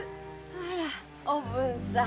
あらおぶんさん。